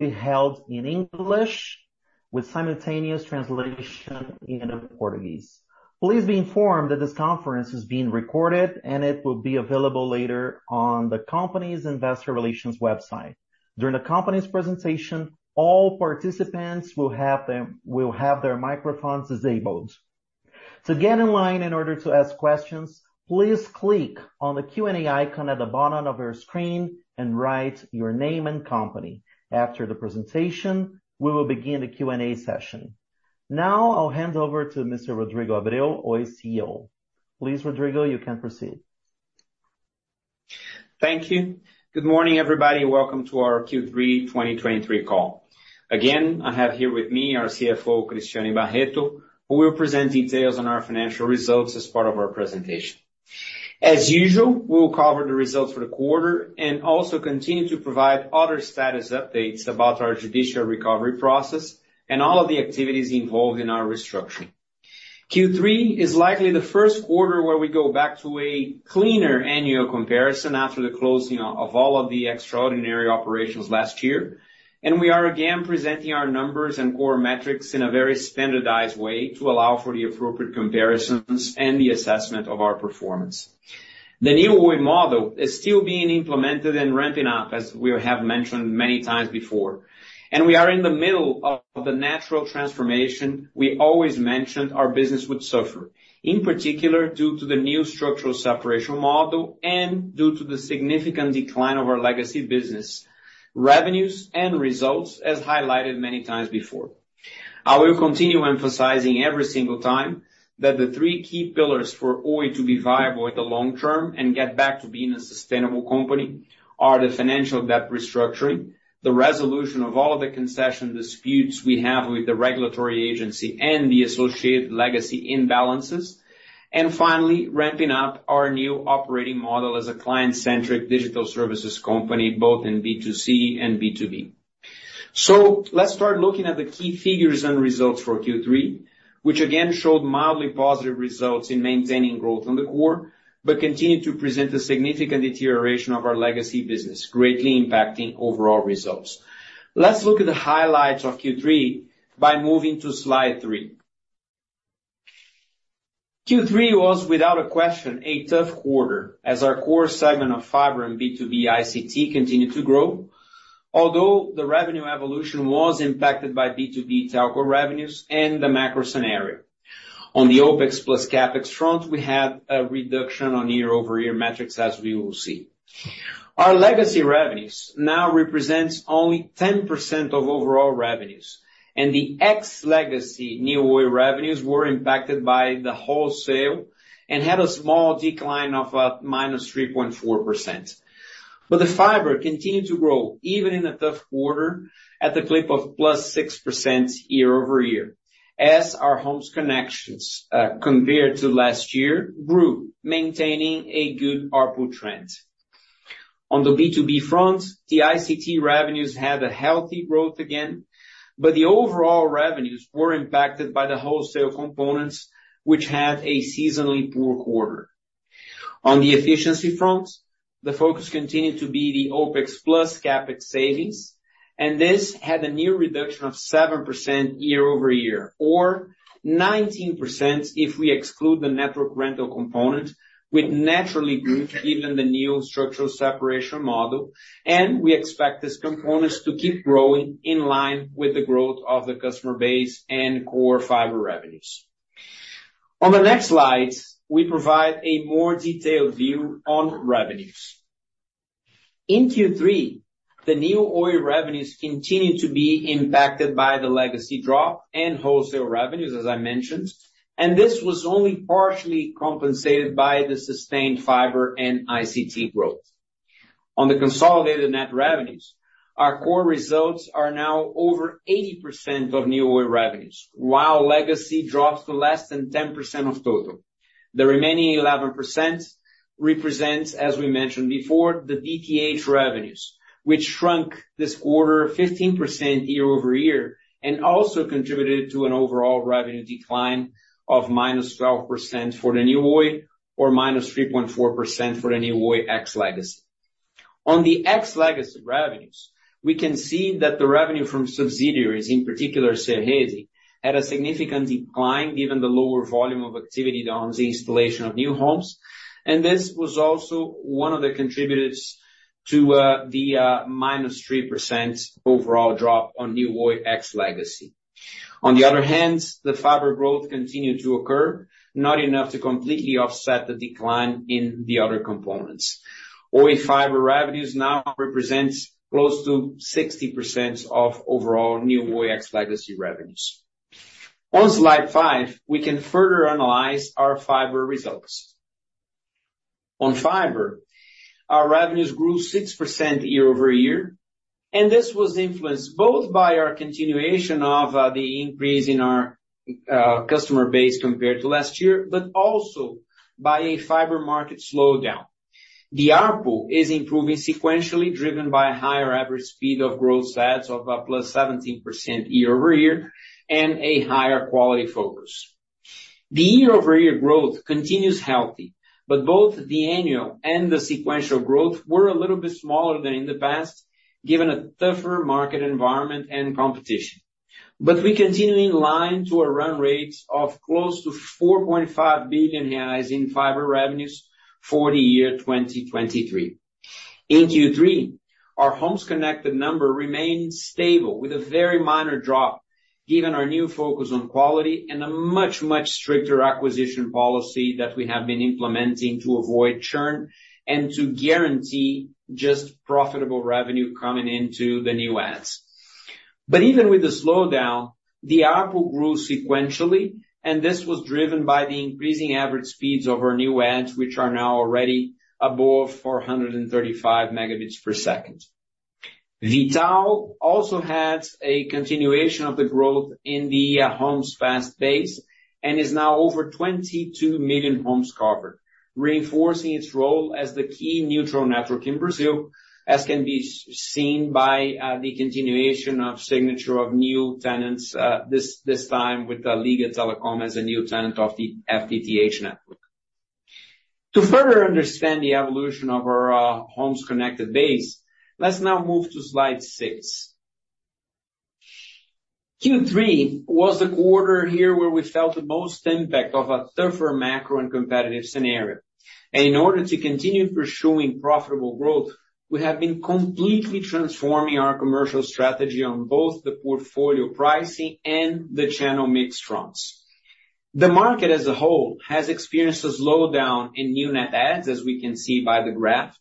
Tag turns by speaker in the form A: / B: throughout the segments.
A: Be held in English with simultaneous translation into Portuguese. Please be informed that this conference is being recorded and it will be available later on the company's investor relations website. During the company's presentation, all participants will have their microphones disabled. To get in line in order to ask questions, please click on the Q&A icon at the bottom of your screen and write your name and company. After the presentation, we will begin the Q&A session. Now, I'll hand over to Mr. Rodrigo Abreu, Oi's CEO. Please, Rodrigo, you can proceed.
B: Thank you. Good morning, everybody. Welcome to our Q3 2023 call. Again, I have here with me our CFO, Cristiane Barretto, who will present details on our financial results as part of our presentation. As usual, we'll cover the results for the quarter and also continue to provide other status updates about our judicial recovery process and all of the activities involved in our restructuring. Q3 is likely the first quarter where we go back to a cleaner annual comparison after the closing of all of the extraordinary operations last year, and we are again presenting our numbers and core metrics in a very standardized way to allow for the appropriate comparisons and the assessment of our performance. The new Oi model is still being implemented and ramping up, as we have mentioned many times before, and we are in the middle of the natural transformation we always mentioned our business would suffer, in particular, due to the new structural separation model and due to the significant decline of our legacy business, revenues and results, as highlighted many times before. I will continue emphasizing every single time that the three key pillars for Oi to be viable in the long term and get back to being a sustainable company are the financial debt restructuring, the resolution of all the concession disputes we have with the regulatory agency and the associated legacy imbalances, and finally, ramping up our new operating model as a client-centric digital services company, both in B2C and B2B. So let's start looking at the key figures and results for Q3, which again showed mildly positive results in maintaining growth on the core, but continued to present a significant deterioration of our legacy business, greatly impacting overall results. Let's look at the highlights of Q3 by moving to slide 3. Q3 was, without a question, a tough quarter as our core segment of fiber and B2B ICT continued to grow. Although the revenue evolution was impacted by B2B telco revenues and the macro scenario. On the OpEx plus CapEx front, we had a reduction on year-over-year metrics, as we will see. Our legacy revenues now represent only 10% of overall revenues, and the ex legacy New Oi revenues were impacted by the wholesale and had a small decline of -3.4%. But the fiber continued to grow, even in a tough quarter, at the clip of +6% year-over-year, as our homes connections compared to last year grew, maintaining a good ARPU trend. On the B2B front, the ICT revenues had a healthy growth again, but the overall revenues were impacted by the wholesale components, which had a seasonally poor quarter. On the efficiency front, the focus continued to be the OpEx plus CapEx savings, and this had a near reduction of 7% year-over-year, or 19% if we exclude the network rental component, which naturally grew given the new structural separation model, and we expect these components to keep growing in line with the growth of the customer base and core fiber revenues. On the next slide, we provide a more detailed view on revenues. In Q3, the New Oi revenues continued to be impacted by the legacy drop and wholesale revenues, as I mentioned, and this was only partially compensated by the sustained fiber and ICT growth. On the consolidated net revenues, our core results are now over 80% of New Oi revenues, while legacy drops to less than 10% of total. The remaining 11% represents, as we mentioned before, the DTH revenues, which shrunk this quarter 15% year-over-year and also contributed to an overall revenue decline of -12% for the New Oi or -3.4% for the New Oi ex legacy. On the ex-legacy revenues, we can see that the revenue from subsidiaries, in particular, Serede, had a significant decline given the lower volume of activity on the installation of new homes, and this was also one of the contributors to the -3% overall drop on New Oi ex-legacy. On the other hand, the fiber growth continued to occur, not enough to completely offset the decline in the other components. Oi Fibra revenues now represents close to 60% of overall New Oi ex-legacy revenues. On slide 5, we can further analyze our fiber results. On fiber, our revenues grew 6% year-over-year, and this was influenced both by our continuation of the increase in our customer base compared to last year, but also by a fiber market slowdown. The ARPU is improving sequentially, driven by a higher average speed of gross adds of +17% year-over-year and a higher quality focus. The year-over-year growth continues healthy, but both the annual and the sequential growth were a little bit smaller than in the past, given a tougher market environment and competition. But we continue in line to a run rate of close to 4.5 billion reais in fiber revenues for the year 2023. In Q3, our homes connected number remained stable, with a very minor drop, given our new focus on quality and a much, much stricter acquisition policy that we have been implementing to avoid churn and to guarantee just profitable revenue coming into the new ads. But even with the slowdown, the ARPU grew sequentially, and this was driven by the increasing average speeds of our new adds, which are now already above 435 Mbps. V.tal also had a continuation of the growth in the homes passed base, and is now over 22 million homes covered, reinforcing its role as the key neutral network in Brazil, as can be seen by the continuation of signature of new tenants, this time with Ligga Telecom as a new tenant of the FTTH network. To further understand the evolution of our homes connected base, let's now move to slide 6. Q3 was the quarter here where we felt the most impact of a tougher macro and competitive scenario. In order to continue pursuing profitable growth, we have been completely transforming our commercial strategy on both the portfolio pricing and the channel mix fronts. The market as a whole has experienced a slowdown in new net adds, as we can see by the graph.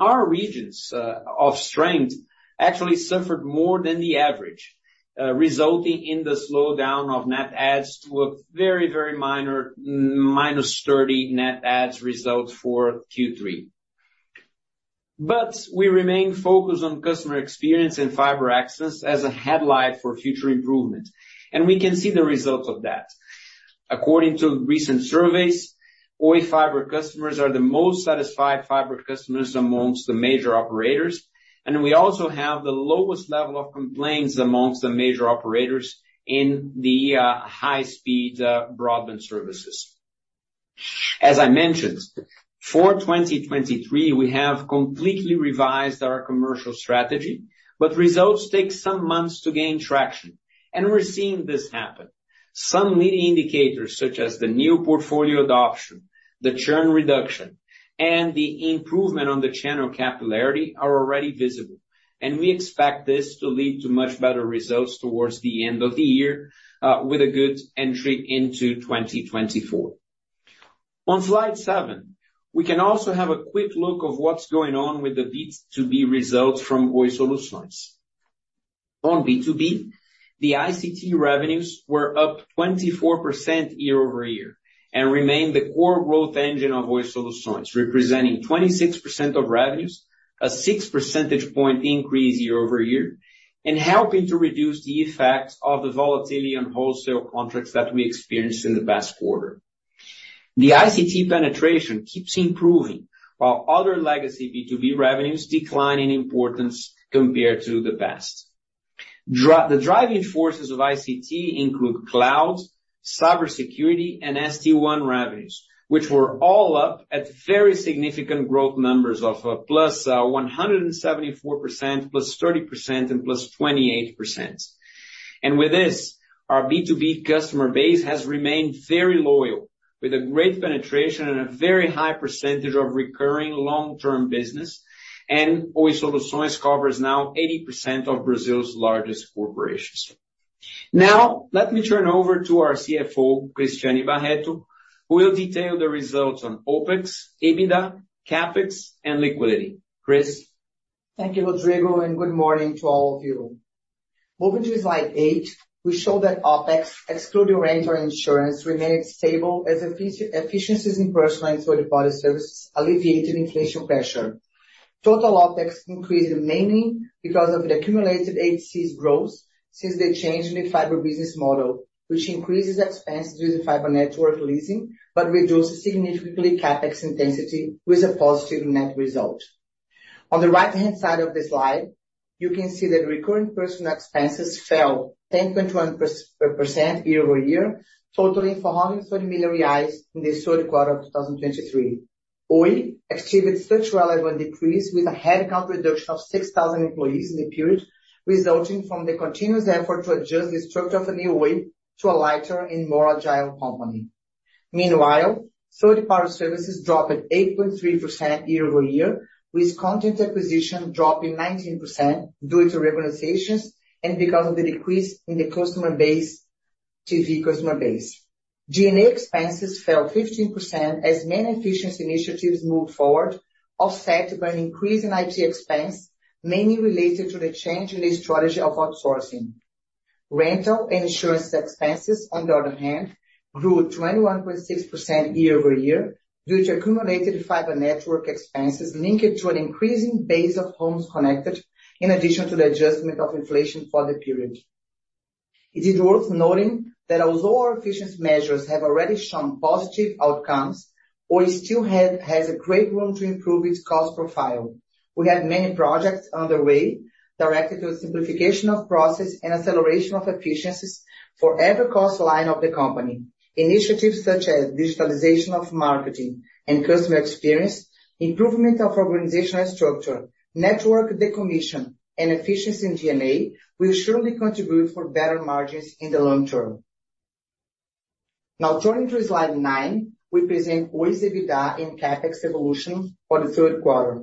B: Our regions of strength actually suffered more than the average, resulting in the slowdown of net adds to a very, very minor minus 30 net adds result for Q3. We remain focused on customer experience and fiber access as a headlight for future improvement, and we can see the results of that. According to recent surveys, Oi Fibra customers are the most satisfied fiber customers among the major operators, and we also have the lowest level of complaints among the major operators in the high-speed broadband services. As I mentioned, for 2023, we have completely revised our commercial strategy, but results take some months to gain traction, and we're seeing this happen. Some leading indicators, such as the new portfolio adoption, the churn reduction, and the improvement on the channel capillarity, are already visible. We expect this to lead to much better results towards the end of the year, with a good entry into 2024. On slide 7, we can also have a quick look of what's going on with the B2B results from Oi Solutions. On B2B, the ICT revenues were up 24% year-over-year and remained the core growth engine of Oi Solutions, representing 26% of revenues, a 6 percentage point increase year-over-year, and helping to reduce the effects of the volatility on wholesale contracts that we experienced in the past quarter. The ICT penetration keeps improving, while other legacy B2B revenues decline in importance compared to the past. The driving forces of ICT include clouds, cybersecurity, and SD-WAN revenues, which were all up at very significant growth numbers of +174%, +30%, and +28%. And with this, our B2B customer base has remained very loyal, with a great penetration and a very high percentage of recurring long-term business, and Oi Solutions covers now 80% of Brazil's largest corporations. Now, let me turn over to our CFO, Cristiane Barretto, who will detail the results on OpEx, EBITDA, CapEx, and liquidity. Chris?
C: Thank you, Rodrigo, and good morning to all of you. Moving to slide 8, we show that OpEx, excluding rent or insurance, remained stable as efficiencies in personal and third-party services alleviated inflation pressure. Total OpEx increased mainly because of the accumulated HCs growth since the change in the fiber business model, which increases expense due to fiber network leasing, but reduces significantly CapEx intensity with a positive net result. On the right-hand side of the slide, you can see that recurring personnel expenses fell 10.1% year-over-year, totaling 430 million reais in the third quarter of 2023. Oi achieved structural level decrease with a headcount reduction of 6,000 employees in the period, resulting from the continuous effort to adjust the structure of the new Oi to a lighter and more agile company. Meanwhile, third-party services dropped at 8.3% year-over-year, with content acquisition dropping 19% due to renegotiations and because of the decrease in the customer base, TV customer base. G&A expenses fell 15% as many efficiency initiatives moved forward, offset by an increase in IT expense, mainly related to the change in the strategy of outsourcing. Rental and insurance expenses, on the other hand, grew 21.6% year-over-year, due to accumulated fiber network expenses linked to an increasing base of homes connected, in addition to the adjustment of inflation for the period. It is worth noting that although our efficiency measures have already shown positive outcomes, Oi still have, has a great room to improve its cost profile. We have many projects underway directed to the simplification of process and acceleration of efficiencies for every cost line of the company. Initiatives such as digitalization of marketing and customer experience, improvement of organizational structure, network decommission, and efficiency in G&A, will surely contribute for better margins in the long term. Now, turning to slide 9, we present Oi's EBITDA and CapEx evolution for the third quarter.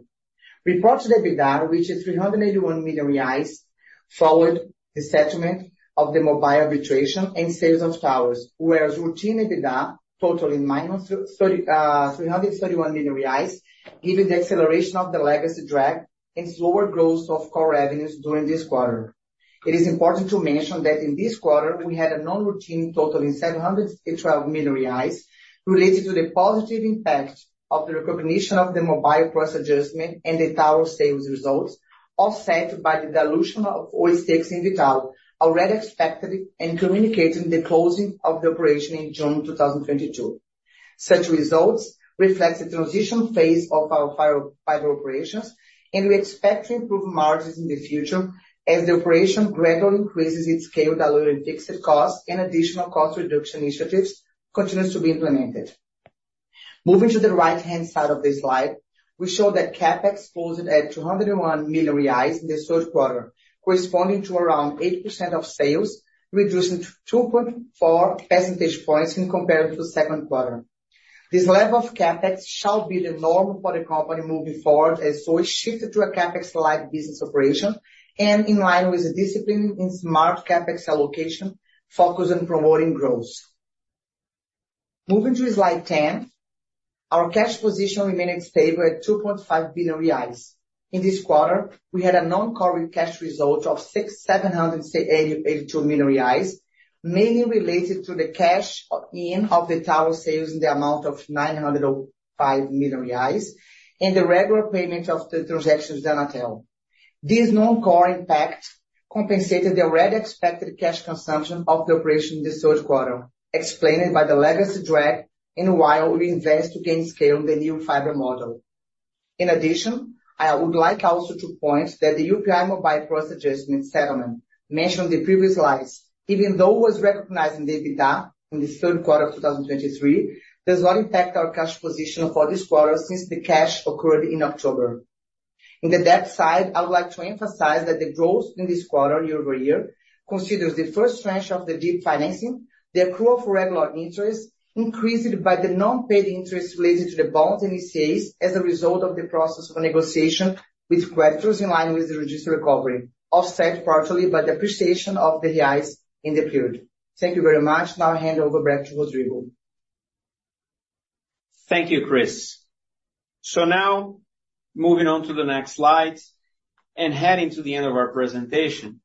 C: We brought to the EBITDA, which is BRL 381 million, followed the settlement of the mobile arbitration and sales of towers, whereas routine EBITDA totaling -331 million reais, given the acceleration of the legacy drag and slower growth of core revenues during this quarter. It is important to mention that in this quarter, we had a non-routine totaling 712 million reais, related to the positive impact of the recognition of the mobile price adjustment and the tower sales results, offset by the dilution of Oi stakes in V.tal, already expected and communicating the closing of the operation in June 2022. Such results reflect the transition phase of our fiber operations, and we expect to improve margins in the future as the operation gradually increases its scale, diluting fixed costs and additional cost reduction initiatives continues to be implemented. Moving to the right-hand side of this slide, we show that CapEx closed at 201 million reais in the third quarter, corresponding to around 8% of sales, reducing 2.4 percentage points in comparison to second quarter. This level of CapEx shall be the norm for the company moving forward, as Oi shifted to a CapEx-light business operation and in line with the discipline in smart CapEx allocation, focused on promoting growth. Moving to slide 10. Our cash position remained stable at 2.5 billion reais. In this quarter, we had a non-core cash result of 682 million reais, mainly related to the cash in of the tower sales in the amount of 905 million reais, and the regular payment of the transactions done until. This non-core impact compensated the already expected cash consumption of the operation in this third quarter, explained by the legacy drag, and while we invest to gain scale in the new fiber model. In addition, I would like also to point that the UPI mobile price adjustment settlement, mentioned in the previous slides, even though it was recognized in the EBITDA in this third quarter of 2023, does not impact our cash position for this quarter since the cash occurred in October. In the debt side, I would like to emphasize that the growth in this quarter, year-over-year, considers the first tranche of the DIP financing, the accrual of regular interest, increased by the non-paid interest related to the bonds and ECAs as a result of the process of negotiation with creditors in line with the reduced recovery, offset partially by the appreciation of the reals in the period. Thank you very much. Now I hand over back to Rodrigo.
B: Thank you, Chris. So now, moving on to the next slide and heading to the end of our presentation.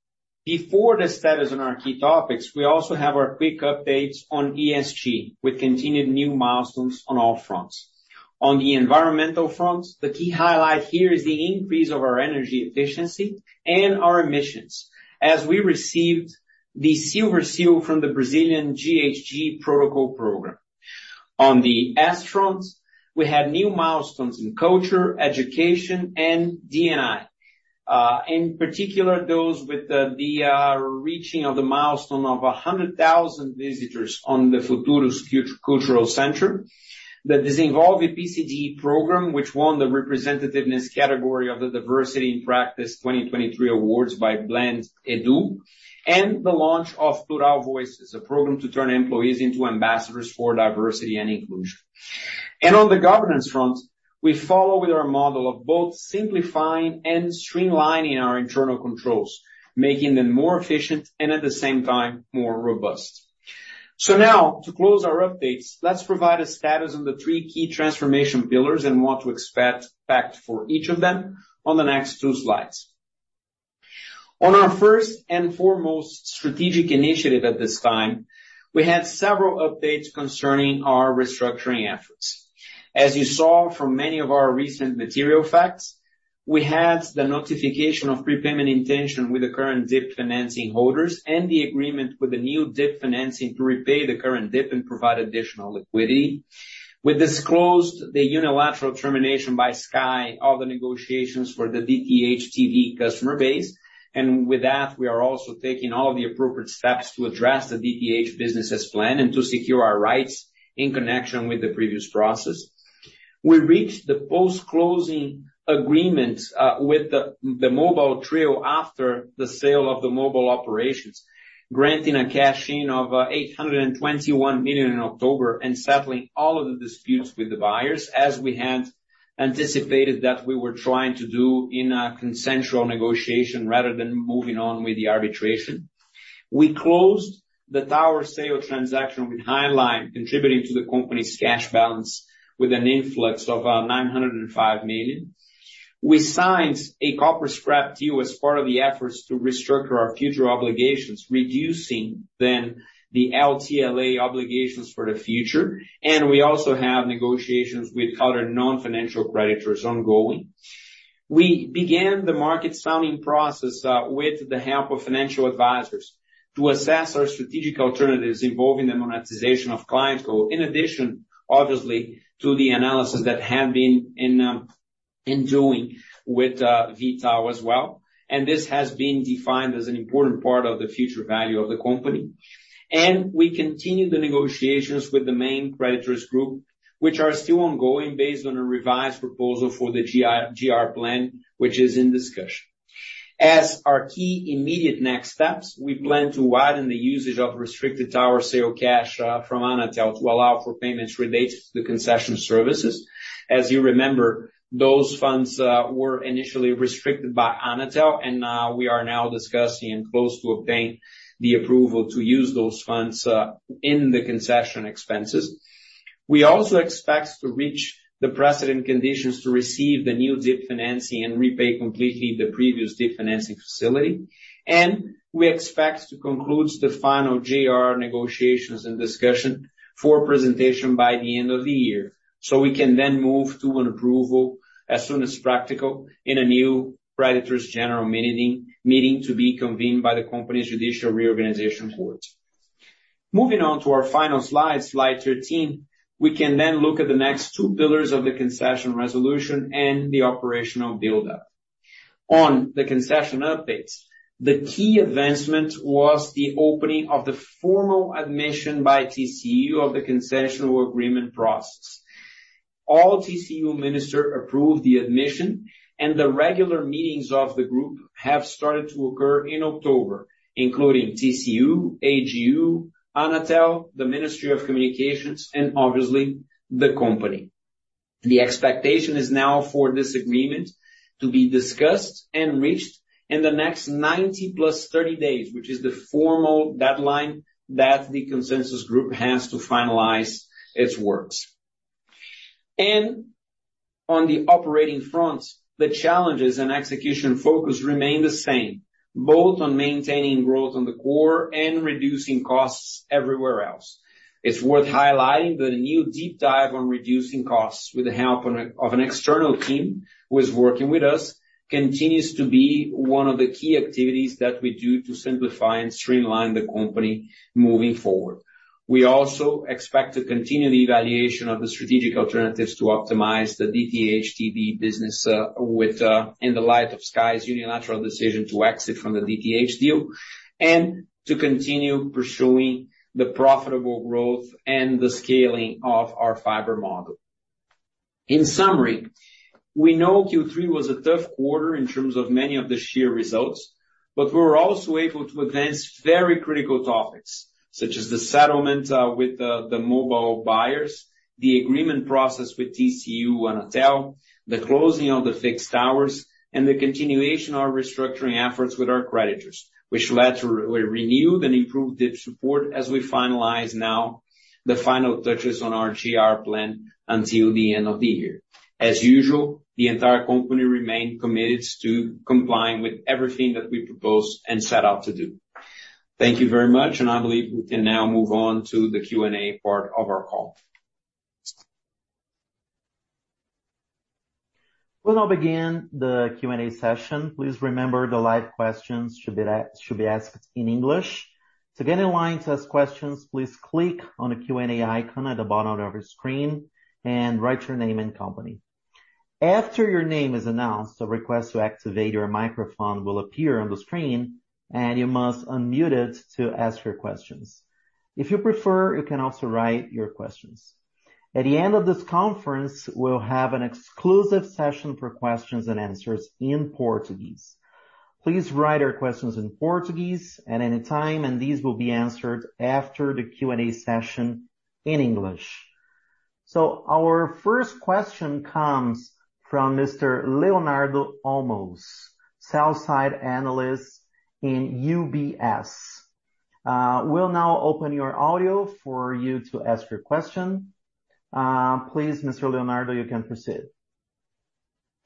B: Before the status on our key topics, we also have our quick updates on ESG, with continued new milestones on all fronts. On the environmental fronts, the key highlight here is the increase of our energy efficiency and our emissions, as we received the Silver Seal from the Brazilian GHG Protocol Program. On the S fronts, we had new milestones in culture, education, and D&I. In particular, reaching of the milestone of 100,000 visitors on the Futuros Cultural Center. The Desenvolve PCD program, which won the representativeness category of the Diversity in Practice 2023 awards by Blend Edu, and the launch of Plural Voices, a program to turn employees into ambassadors for diversity and inclusion. On the governance front, we follow with our model of both simplifying and streamlining our internal controls, making them more efficient and at the same time, more robust. So now, to close our updates, let's provide a status on the three key transformation pillars and what to expect for each of them on the next two slides. On our first and foremost strategic initiative at this time, we had several updates concerning our restructuring efforts. As you saw from many of our recent material facts, we had the notification of prepayment intention with the current DIP financing holders and the agreement with the new DIP financing to repay the current DIP and provide additional liquidity. We disclosed the unilateral termination by SKY, all the negotiations for the DTH TV customer base. And with that, we are also taking all the appropriate steps to address the DTH business as planned and to secure our rights in connection with the previous process. We reached the post-closing agreement with the mobile trio after the sale of the mobile operations, granting a cash-in of 821 million in October, and settling all of the disputes with the buyers, as we had anticipated that we were trying to do in a consensual negotiation rather than moving on with the arbitration. We closed the tower sale transaction with Highline, contributing to the company's cash balance with an influx of 905 million. We signed a copper scrap deal as part of the efforts to restructure our future obligations, reducing then the LTLA obligations for the future, and we also have negotiations with other non-financial creditors ongoing. We began the market sounding process, with the help of financial advisors to assess our strategic alternatives involving the monetization of ClientCo, in addition, obviously, to the analysis that have been in, in doing with, V.tal as well. And this has been defined as an important part of the future value of the company. And we continue the negotiations with the main creditors group, which are still ongoing, based on a revised proposal for the JR plan, which is in discussion. As our key immediate next steps, we plan to widen the usage of restricted tower sale cash, from Anatel, to allow for payments related to the concession services. As you remember, those funds were initially restricted by Anatel, and now we are now discussing and close to obtain the approval to use those funds in the concession expenses. We also expect to reach the precedent conditions to receive the new DIP financing and repay completely the previous DIP financing facility. We expect to conclude the final JR negotiations and discussion for presentation by the end of the year, so we can then move to an approval as soon as practical in a new creditors general meeting to be convened by the company's judicial reorganization court. Moving on to our final slide, slide 13, we can then look at the next two pillars of the concession resolution and the operational buildup. On the concession updates, the key advancement was the opening of the formal admission by TCU of the concession agreement process. All TCU ministers approved the admission, and the regular meetings of the group have started to occur in October, including TCU, AGU, Anatel, the Ministry of Communications, and obviously, the company. The expectation is now for this agreement to be discussed and reached in the next 90 + 30 days, which is the formal deadline that the consensus group has to finalize its works. On the operating front, the challenges and execution focus remain the same, both on maintaining growth on the core and reducing costs everywhere else. It's worth highlighting that a new deep dive on reducing costs with the help of an external team who is working with us continues to be one of the key activities that we do to simplify and streamline the company moving forward. We also expect to continue the evaluation of the strategic alternatives to optimize the DTH TV business, with, in the light of SKY's unilateral decision to exit from the DTH deal, and to continue pursuing the profitable growth and the scaling of our fiber model. In summary, we know Q3 was a tough quarter in terms of many of the sheer results, but we were also able to advance very critical topics, such as the settlement with the mobile buyers, the agreement process with TCU and Anatel, the closing of the fixed towers, and the continuation of restructuring efforts with our creditors, which led to a renewed and improved DIP support as we finalize now the final touches on our JR plan until the end of the year. As usual, the entire company remained committed to complying with everything that we proposed and set out to do. Thank you very much, and I believe we can now move on to the Q&A part of our call.
A: We'll now begin the Q&A session. Please remember, the live questions should be asked in English. To get in line to ask questions, please click on the Q&A icon at the bottom of your screen and write your name and company. After your name is announced, a request to activate your microphone will appear on the screen, and you must unmute it to ask your questions. If you prefer, you can also write your questions. At the end of this conference, we'll have an exclusive session for questions and answers in Portuguese. Please write your questions in Portuguese at any time, and these will be answered after the Q&A session in English. So our first question comes from Mr. Leonardo Olmos, sell-side analyst in UBS. We'll now open your audio for you to ask your question. Please, Mr. Leonardo, you can proceed.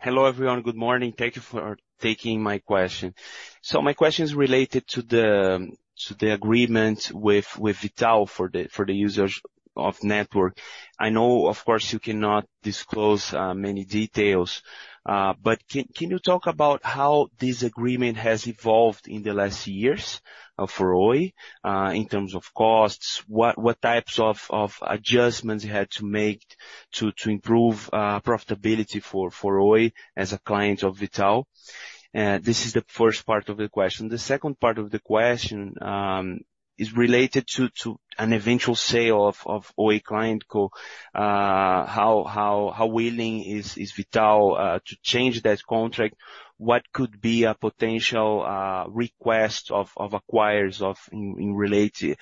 D: Hello, everyone. Good morning. Thank you for taking my question. So my question is related to the agreement with V.tal for the use of the network. I know, of course, you cannot disclose many details, but can you talk about how this agreement has evolved in the last years for Oi in terms of costs? What types of adjustments you had to make to improve profitability for Oi as a client of V.tal? This is the first part of the question. The second part of the question is related to an eventual sale of Oi ClientCo. How willing is V.tal to change that contract? What could be a potential request of acquirers in relation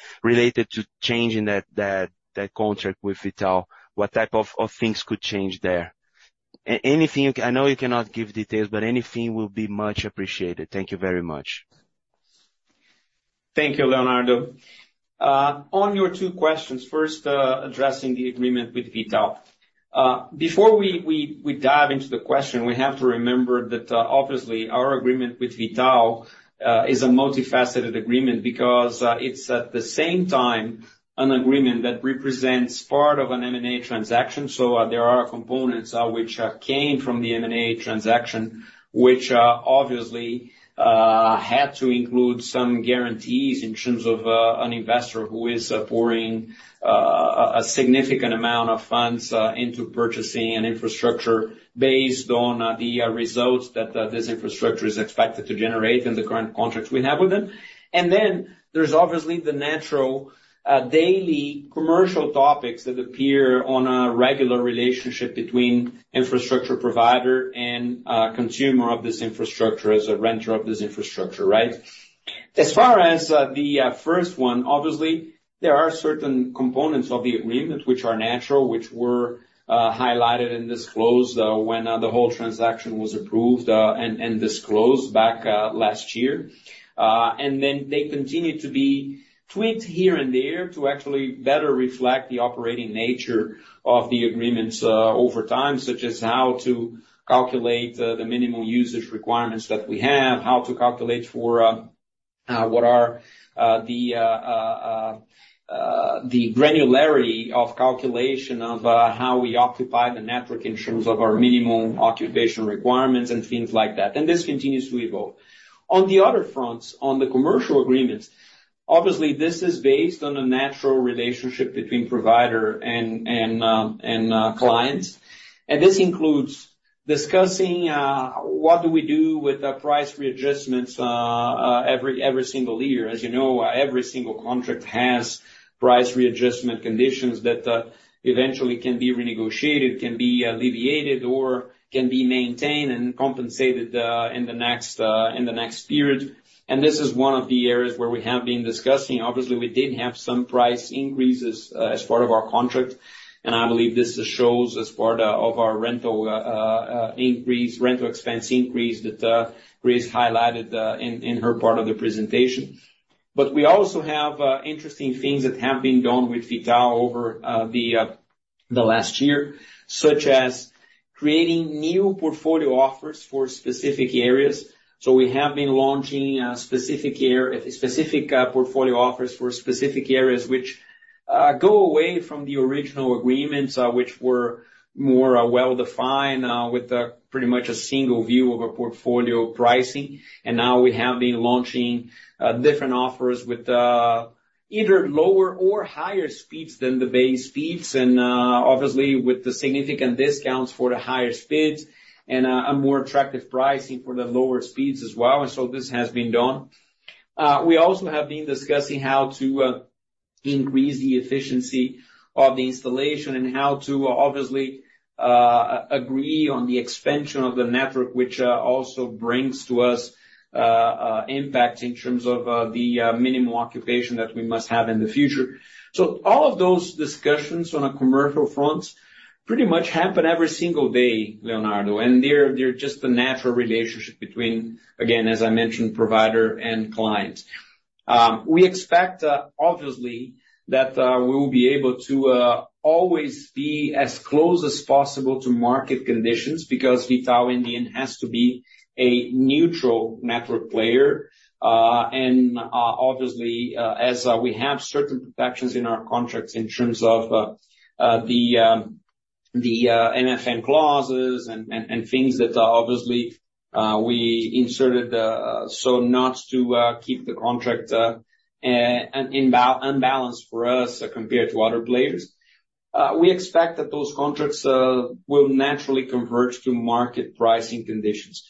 D: to changing that contract with V.tal? What type of things could change there? Anything, I know you cannot give details, but anything will be much appreciated. Thank you very much.
B: Thank you, Leonardo. On your two questions, first, addressing the agreement with V.tal. Before we dive into the question, we have to remember that, obviously, our agreement with V.tal is a multifaceted agreement because it's at the same time an agreement that represents part of an M&A transaction. So there are components which came from the M&A transaction, which obviously had to include some guarantees in terms of an investor who is pouring a significant amount of funds into purchasing an infrastructure based on the results that this infrastructure is expected to generate in the current contracts we have with them. And then there's obviously the natural, daily commercial topics that appear on a regular relationship between infrastructure provider and, consumer of this infrastructure as a renter of this infrastructure, right? As far as, the first one, obviously, there are certain components of the agreement which are natural, which were highlighted and disclosed, when the whole transaction was approved, and disclosed back last year. And then they continue to be tweaked here and there to actually better reflect the operating nature of the agreements, over time, such as how to calculate the minimum usage requirements that we have, how to calculate for what are the granularity of calculation of how we occupy the network in terms of our minimum occupation requirements and things like that, and this continues to evolve. On the other fronts, on the commercial agreements, obviously this is based on a natural relationship between provider and clients. And this includes discussing what do we do with the price readjustments every single year. As you know, every single contract has price readjustment conditions that eventually can be renegotiated, can be alleviated, or can be maintained and compensated in the next period. And this is one of the areas where we have been discussing. Obviously, we did have some price increases as part of our contract, and I believe this shows as part of our rental increase, rental expense increase, that Chris highlighted in her part of the presentation. But we also have interesting things that have been done with V.tal over the last year, such as creating new portfolio offers for specific areas. So we have been launching specific portfolio offers for specific areas which go away from the original agreements, which were more well-defined with pretty much a single view of a portfolio pricing. And now we have been launching different offers with either lower or higher speeds than the base speeds, and obviously with the significant discounts for the higher speeds and a more attractive pricing for the lower speeds as well. So this has been done. We also have been discussing how to increase the efficiency of the installation and how to obviously agree on the expansion of the network, which also brings to us impact in terms of the minimum occupation that we must have in the future. So all of those discussions on a commercial front pretty much happen every single day, Leonardo, and they're just a natural relationship between, again, as I mentioned, provider and clients. We expect, obviously, that we will be able to always be as close as possible to market conditions because V.tal in the end has to be a neutral network player. And obviously, as we have certain protections in our contracts in terms of the MFN clauses and things that obviously we inserted so not to keep the contract unbalanced for us compared to other players. We expect that those contracts will naturally converge to market pricing conditions.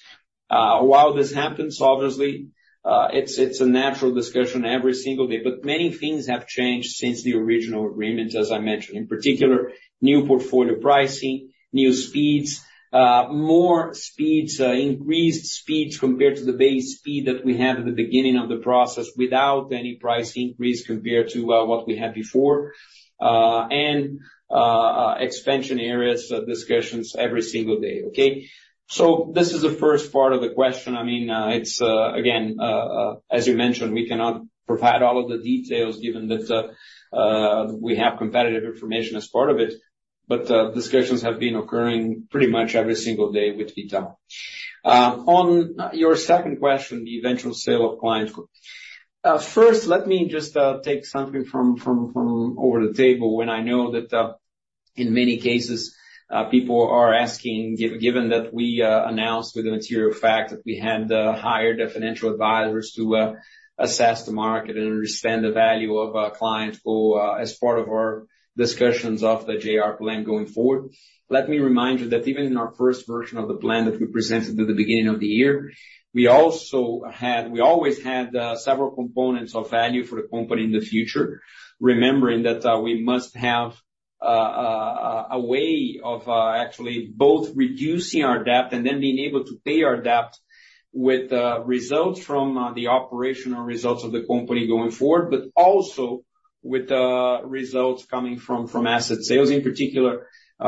B: While this happens, obviously, it's a natural discussion every single day, but many things have changed since the original agreement, as I mentioned. In particular, new portfolio pricing, new speeds, more speeds, increased speeds compared to the base speed that we had at the beginning of the process, without any price increase compared to what we had before, and expansion areas discussions every single day. Okay? So this is the first part of the question. I mean, it's, again, as you mentioned, we cannot provide all of the details given that, we have competitive information as part of it, but, discussions have been occurring pretty much every single day with V.tal. On your second question, the eventual sale of ClientCo. First, let me just, take something from over the table when I know that, in many cases, people are asking, given that we, announced with the material fact that we had, hired a financial advisor to, assess the market and understand the value of our client pool, as part of our discussions of the JR plan going forward. Let me remind you that even in our first version of the plan that we presented at the beginning of the year, we also had, we always had several components of value for the company in the future. Remembering that, we must have a way of actually both reducing our debt and then being able to pay our debt with results from the operational results of the company going forward, but also with results coming from asset sales. In particular,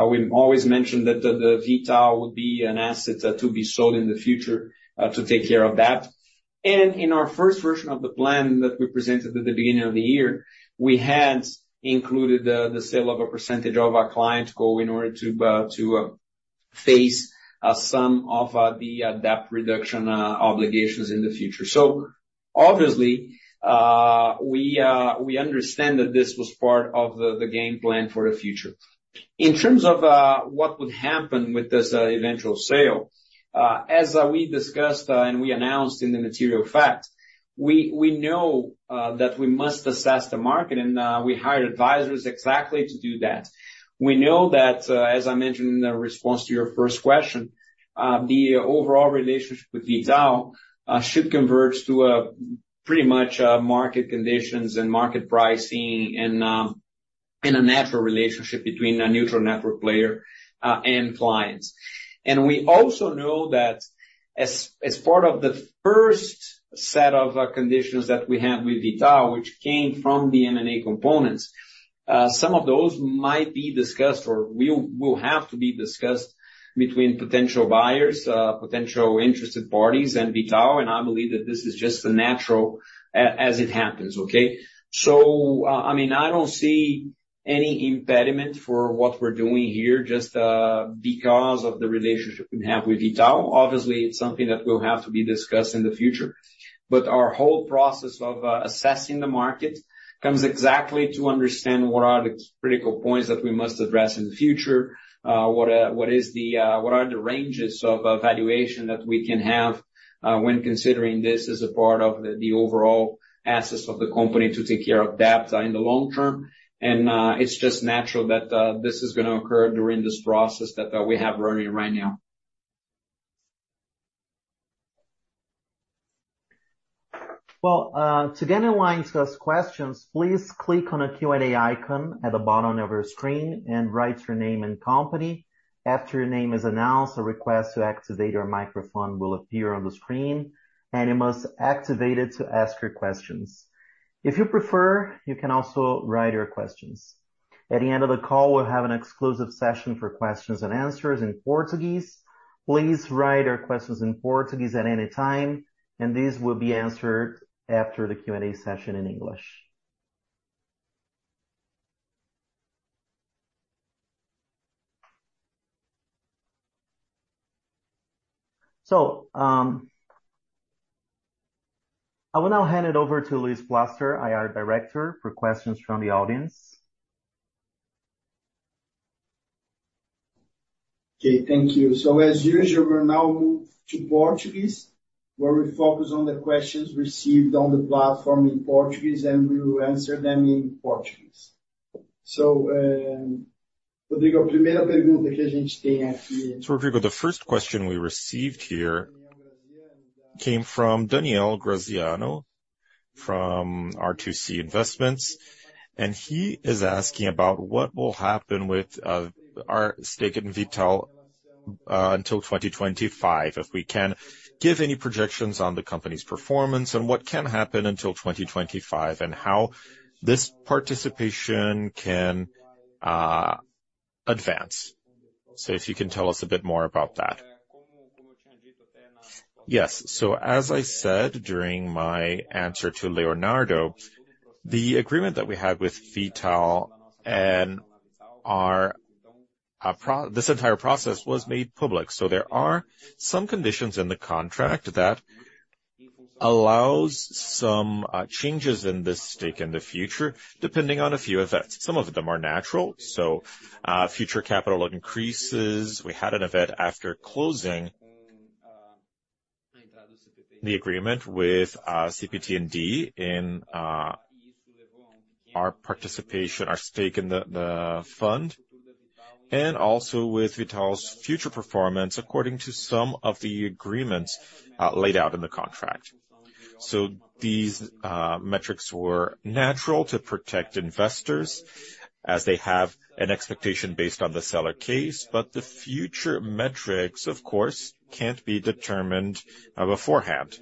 B: we've always mentioned that the V.tal would be an asset to be sold in the future to take care of that. And in our first version of the plan that we presented at the beginning of the year, we had included the sale of a percentage of our ClientCo in order to face some of the debt reduction obligations in the future. So obviously, we understand that this was part of the game plan for the future. In terms of what would happen with this eventual sale, as we discussed and we announced in the material facts, we know that we must assess the market, and we hired advisors exactly to do that. We know that, as I mentioned in the response to your first question, the overall relationship with V.tal should converge to a pretty much market conditions and market pricing and, and a natural relationship between a neutral network player and clients. And we also know that as part of the first set of conditions that we have with V.tal, which came from the M&A components, some of those might be discussed or will have to be discussed between potential buyers, potential interested parties and V.tal, and I believe that this is just natural, as it happens, okay? So, I mean, I don't see any impediment for what we're doing here, just because of the relationship we have with V.tal. Obviously, it's something that will have to be discussed in the future, but our whole process of assessing the market comes exactly to understand what are the critical points that we must address in the future. What are the ranges of valuation that we can have when considering this as a part of the overall assets of the company to take care of debt in the long term. And it's just natural that this is gonna occur during this process that we have running right now.
A: Well, to get in line to ask questions, please click on the Q&A icon at the bottom of your screen and write your name and company. After your name is announced, a request to activate your microphone will appear on the screen, and you must activate it to ask your questions. If you prefer, you can also write your questions. At the end of the call, we'll have an exclusive session for questions and answers in Portuguese. Please write your questions in Portuguese at any time, and these will be answered after the Q&A session in English. So, I will now hand it over to Luis Plaster, IR Director, for questions from the audience.
E: Okay, thank you. So as usual, we'll now move to Portuguese, where we focus on the questions received on the platform in Portuguese, and we will answer them in Portuguese. So, Rodrigo, the first question we received here came from Daniel Graziano, from R2C Investments, and he is asking about what will happen with our stake in V.tal until 2025. If we can give any projections on the company's performance and what can happen until 2025, and how this participation can advance. So if you can tell us a bit more about that.
B: Yes. So as I said during my answer to Leonardo, the agreement that we had with V.tal and our, this entire process was made public, so there are some conditions in the contract that allows some changes in this stake in the future, depending on a few events. Some of them are natural, so future capital increases. We had an event after closing the agreement with CPPIB, in our participation, our stake in the, the fund, and also with V.tal's future performance, according to some of the agreements laid out in the contract. So these metrics were natural to protect investors, as they have an expectation based on the seller case. But the future metrics, of course, can't be determined beforehand.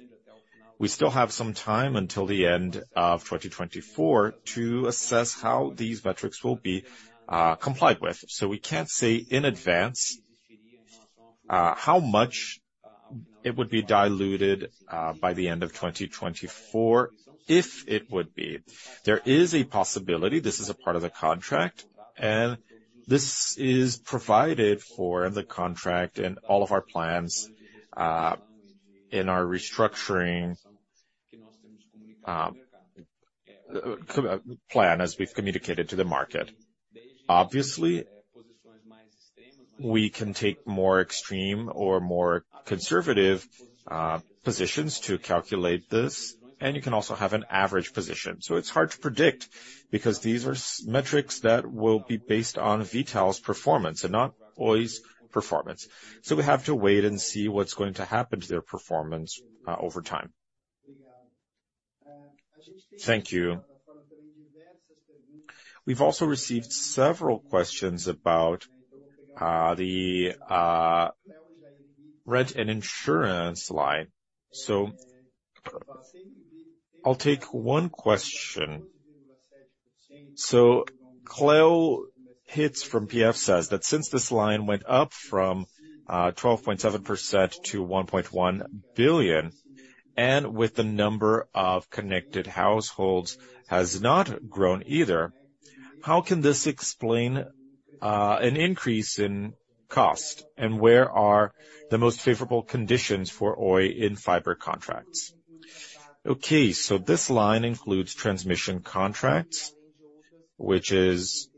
B: We still have some time until the end of 2024 to assess how these metrics will be complied with. So we can't say in advance how much it would be diluted by the end of 2024, if it would be. There is a possibility, this is a part of the contract, and this is provided for in the contract and all of our plans in our restructuring plan, as we've communicated to the market. Obviously, we can take more extreme or more conservative positions to calculate this, and you can also have an average position. So it's hard to predict, because these are metrics that will be based on V.tal's performance and not Oi's performance. So we have to wait and see what's going to happen to their performance over time.
E: Thank you. We've also received several questions about the rent and insurance line. So I'll take one question. So Cleo Hitz from PF says that since this line went up from 12.7% to 1.1 billion, and with the number of connected households has not grown either, how can this explain an increase in cost? And where are the most favorable conditions for Oi in fiber contracts?
C: Okay, so this line includes transmission contracts, which is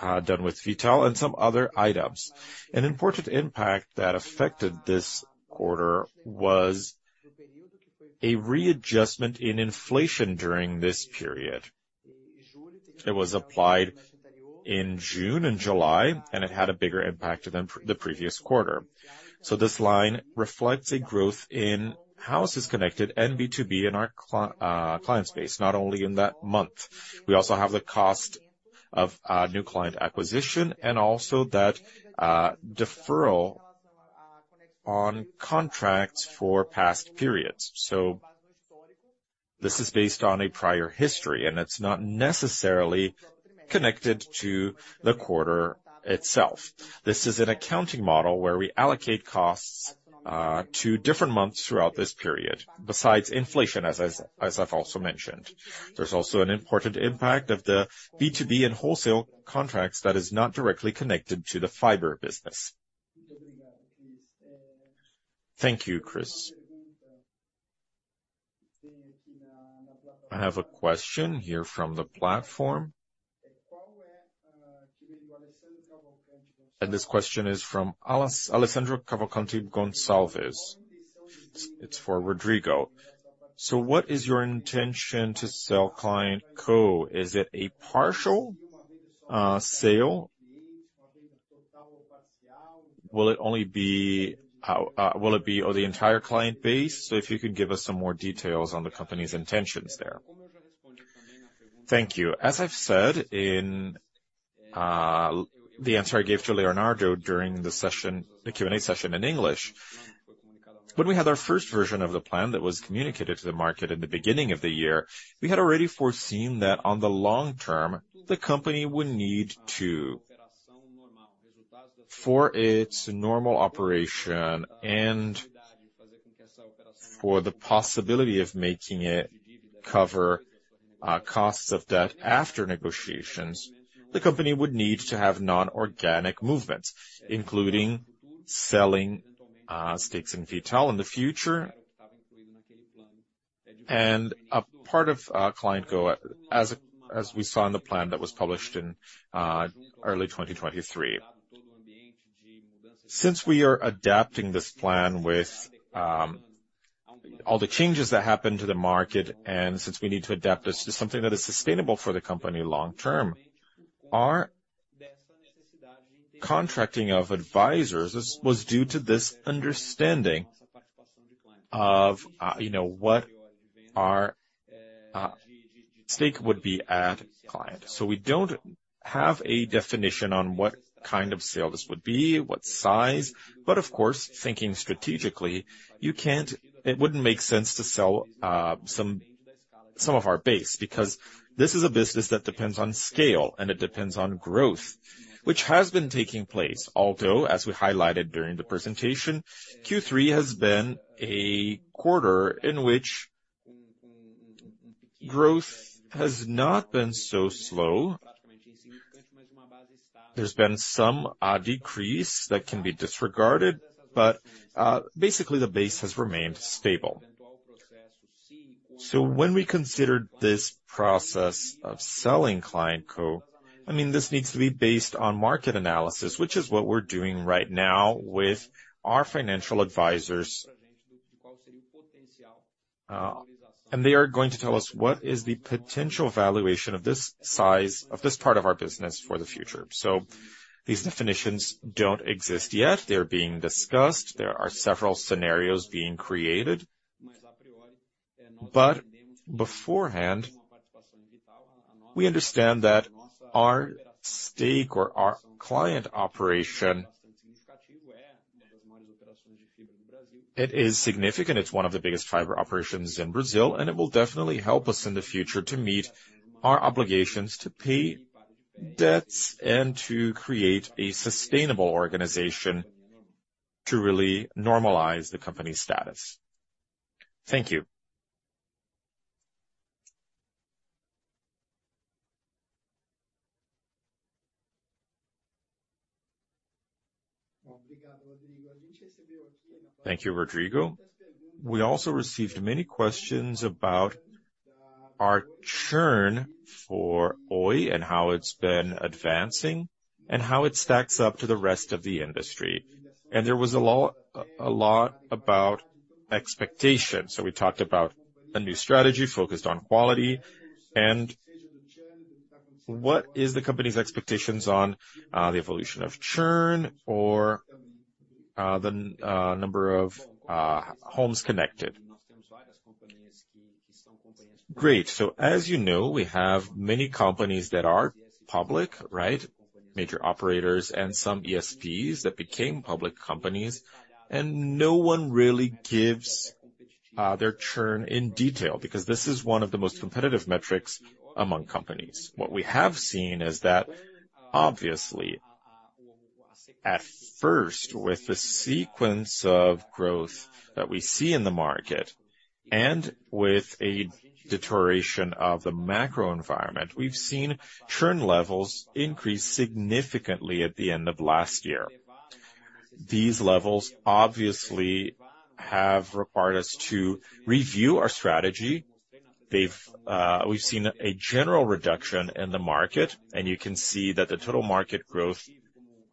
C: done with V.tal and some other items. An important impact that affected this quarter was a readjustment in inflation during this period. It was applied in June and July, and it had a bigger impact than the previous quarter. So this line reflects a growth in houses connected and B2B in our client space, not only in that month. We also have the cost of new client acquisition and also that deferral on contracts for past periods. So this is based on a prior history, and it's not necessarily connected to the quarter itself. This is an accounting model where we allocate costs to different months throughout this period. Besides inflation, as I've also mentioned. There's also an important impact of the B2B and wholesale contracts that is not directly connected to the fiber business.
E: Thank you, Chris. I have a question here from the platform. This question is from Alessandro Cavalcanti Gonçalves. It's for Rodrigo. So what is your intention to sell ClientCo? Is it a partial sale? Will it only be, or the entire client base? So if you could give us some more details on the company's intentions there. Thank you.
B: As I've said in the answer I gave to Leonardo during the session, the Q&A session in English, when we had our first version of the plan that was communicated to the market in the beginning of the year, we had already foreseen that on the long term, the company would need to, for its normal operation and for the possibility of making it cover, costs of debt after negotiations, the company would need to have non-organic movements, including selling stakes in V.tal in the future, and a part of ClientCo, as, as we saw in the plan that was published in early 2023. Since we are adapting this plan with all the changes that happened to the market, and since we need to adapt this to something that is sustainable for the company long term, our contracting of advisors. This was due to this understanding of, you know, what our stake would be at Client. So we don't have a definition on what kind of sale this would be, what size, but of course, thinking strategically, you can't, it wouldn't make sense to sell some of our base, because this is a business that depends on scale, and it depends on growth, which has been taking place. Although, as we highlighted during the presentation, Q3 has been a quarter in which growth has not been so slow. There's been some decrease that can be disregarded, but basically, the base has remained stable. So when we considered this process of selling ClientCo, I mean, this needs to be based on market analysis, which is what we're doing right now with our financial advisors. And they are going to tell us what is the potential valuation of this size, of this part of our business for the future. So these definitions don't exist yet. They're being discussed. There are several scenarios being created, but beforehand, we understand that our stake or our ClientCo operation, it is significant. It's one of the biggest fiber operations in Brazil, and it will definitely help us in the future to meet our obligations to pay debts and to create a sustainable organization to really normalize the company's status. Thank you.
E: Thank you, Rodrigo. We also received many questions about our churn for Oi and how it's been advancing and how it stacks up to the rest of the industry. There was a lot, a lot about expectation. We talked about a new strategy focused on quality, and what is the company's expectations on the evolution of churn or the number of homes connected?
B: Great. So, as you know, we have many companies that are public, right? Major operators and some ESPs that became public companies, and no one really gives their churn in detail, because this is one of the most competitive metrics among companies. What we have seen is that, obviously, at first, with the sequence of growth that we see in the market, and with a deterioration of the macro environment, we've seen churn levels increase significantly at the end of last year. These levels, obviously, have required us to review our strategy. They've, we've seen a general reduction in the market, and you can see that the total market growth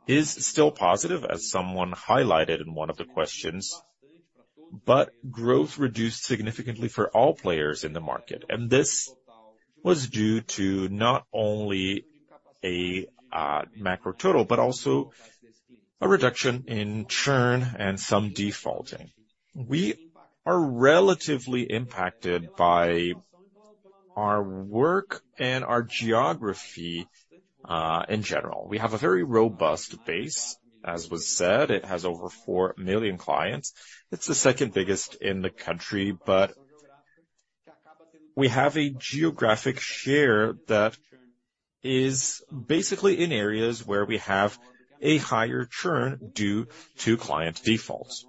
B: is still positive, as someone highlighted in one of the questions, but growth reduced significantly for all players in the market. And this was due to not only a macro total, but also a reduction in churn and some defaulting. We are relatively impacted by our work and our geography, in general. We have a very robust base. As was said, it has over 4 million clients. It's the second biggest in the country, but we have a geographic share that is basically in areas where we have a higher churn due to client defaults.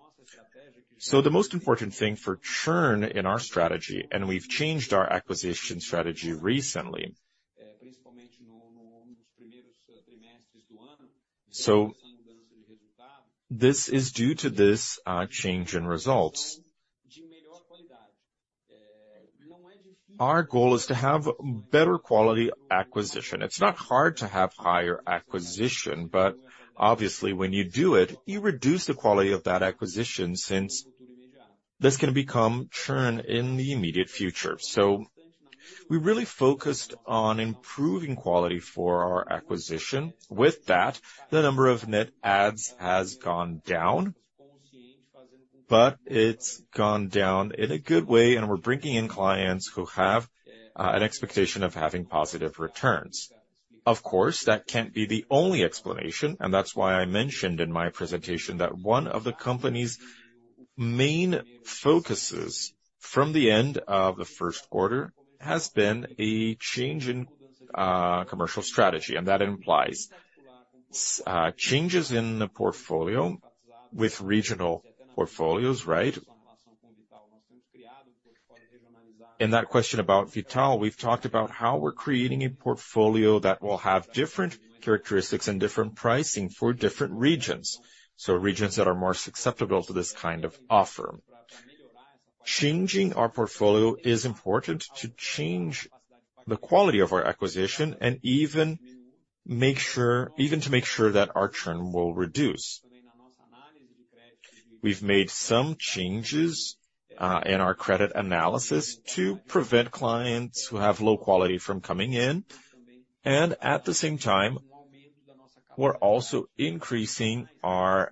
B: So the most important thing for churn in our strategy, and we've changed our acquisition strategy recently. So this is due to this, change in results. Our goal is to have better quality acquisition. It's not hard to have higher acquisition, but obviously, when you do it, you reduce the quality of that acquisition, since this can become churn in the immediate future. So we really focused on improving quality for our acquisition. With that, the number of net ads has gone down, but it's gone down in a good way, and we're bringing in clients who have, an expectation of having positive returns. Of course, that can't be the only explanation, and that's why I mentioned in my presentation that one of the company's main focuses from the end of the first quarter, has been a change in, commercial strategy, and that implies, changes in the portfolio with regional portfolios, right? In that question about V.tal, we've talked about how we're creating a portfolio that will have different characteristics and different pricing for different regions, so regions that are more susceptible to this kind of offer. Changing our portfolio is important to change the quality of our acquisition and even to make sure that our churn will reduce. We've made some changes in our credit analysis to prevent clients who have low quality from coming in, and at the same time, we're also increasing our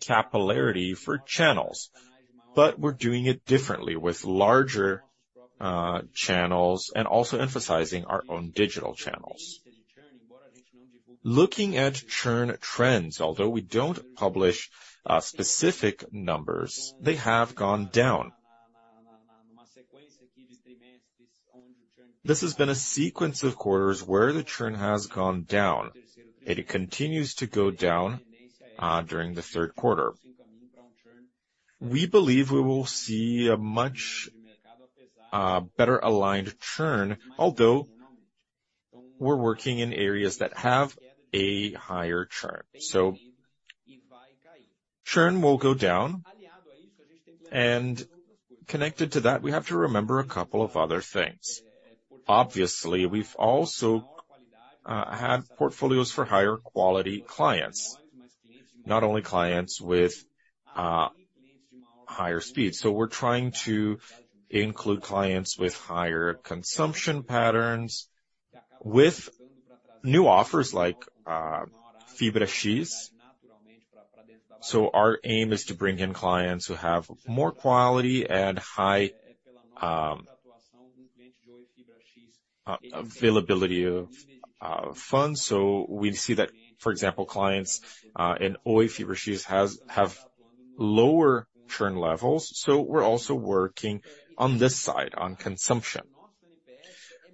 B: capillarity for channels, but we're doing it differently, with larger channels and also emphasizing our own digital channels. Looking at churn trends, although we don't publish specific numbers, they have gone down. This has been a sequence of quarters where the churn has gone down, and it continues to go down during the third quarter. We believe we will see a much better aligned churn, although we're working in areas that have a higher churn. So churn will go down, and connected to that, we have to remember a couple of other things. Obviously, we've also had portfolios for higher quality clients, not only clients with higher speed. So we're trying to include clients with higher consumption patterns, with new offers like Fibra X. So our aim is to bring in clients who have more quality and high availability of funds. So we see that, for example, clients in Oi Fibra X has, have lower churn levels, so we're also working on this side, on consumption.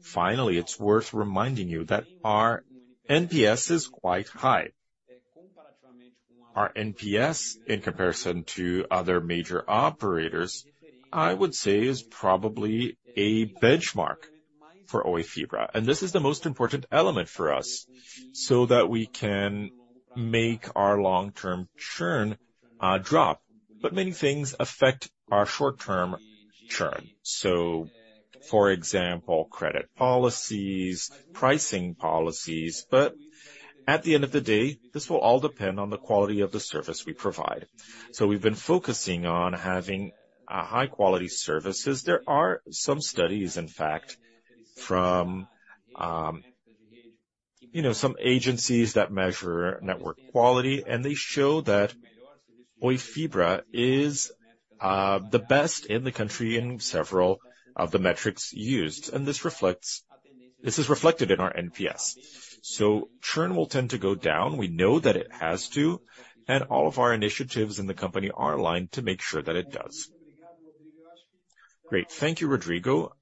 B: Finally, it's worth reminding you that our NPS is quite high. Our NPS, in comparison to other major operators, I would say, is probably a benchmark for Oi Fibra, and this is the most important element for us, so that we can make our long-term churn drop. But many things affect our short-term churn. So, for example, credit policies, pricing policies. But at the end of the day, this will all depend on the quality of the service we provide. So we've been focusing on having high-quality services. There are some studies, in fact, from, you know, some agencies that measure network quality, and they show that Oi Fibra is the best in the country in several of the metrics used, and this is reflected in our NPS. So churn will tend to go down. We know that it has to, and all of our initiatives in the company are aligned to make sure that it does.
E: Great. Thank you, Rodrigo.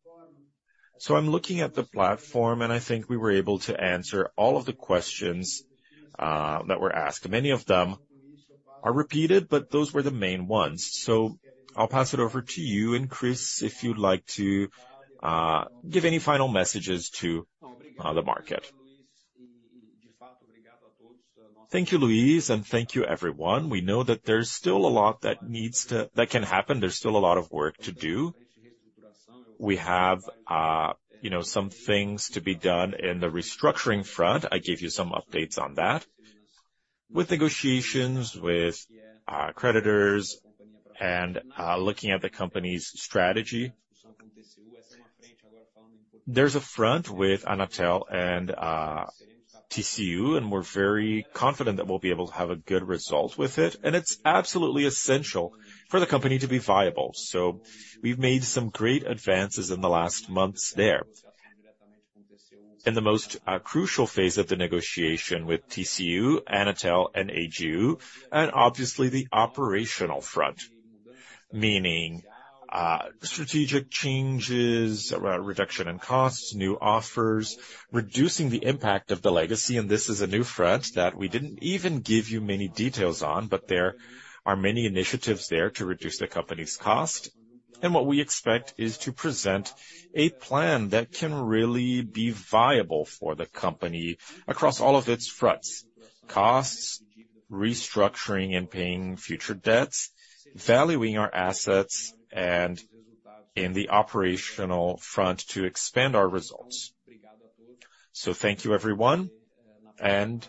E: So I'm looking at the platform, and I think we were able to answer all of the questions that were asked. Many of them are repeated, but those were the main ones. So I'll pass it over to you, and Chris, if you'd like to give any final messages to the market.
B: Thank you, Luis, and thank you, everyone. We know that there's still a lot that needs to—that can happen. There's still a lot of work to do. We have, you know, some things to be done in the restructuring front. I gave you some updates on that. With negotiations with creditors and looking at the company's strategy. There's a front with Anatel and, TCU, and we're very confident that we'll be able to have a good result with it, and it's absolutely essential for the company to be viable. So we've made some great advances in the last months there. In the most crucial phase of the negotiation with TCU, Anatel, and AGU, and obviously, the operational front. Meaning, strategic changes around reduction in costs, new offers, reducing the impact of the legacy, and this is a new front that we didn't even give you many details on, but there are many initiatives there to reduce the company's cost. What we expect is to present a plan that can really be viable for the company across all of its fronts: costs, restructuring and paying future debts, valuing our assets, and in the operational front to expand our results. Thank you, everyone, and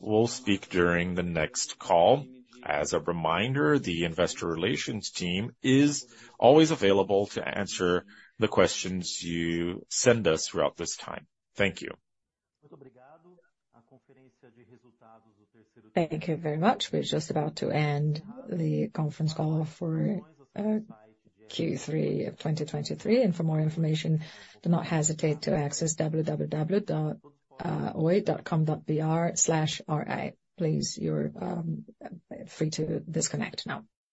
B: we'll speak during the next call. As a reminder, the investor relations team is always available to answer the questions you send us throughout this time. Thank you.
A: Thank you very much. We're just about to end the conference call for Q3 of 2023. For more information, do not hesitate to access www.oi.com.br/ra. Please, you're free to disconnect now.